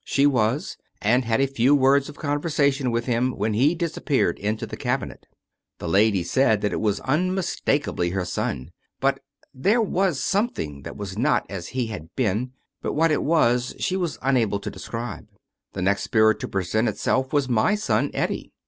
She was, and had a few words of conversation with him when he disappeared into the cabinet. The lady said 293 True Stories of Modern Magic that it was unmistakably her son ; but there was something that was not as he had been, but what it was she was unable to describe. The next spirit to present itself was my son Eddie.